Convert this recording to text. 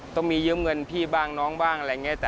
ต้องมียืมเงินพี่บ้างน้องบ้าง